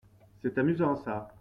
C’est amusant ça.